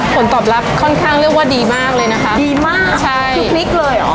ผลตอบรับค่อนข้างเรียกว่าดีมากเลยนะคะดีมากใช่คือพลิกเลยเหรอ